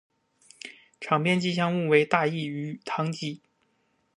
场边吉祥物为大义与唐基。